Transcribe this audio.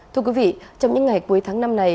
thưa quý vị trong những ngày cuối tháng năm này